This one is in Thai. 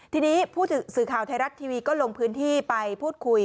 ทีนี้ผู้สื่อข่าวไทยรัฐทีวีก็ลงพื้นที่ไปพูดคุย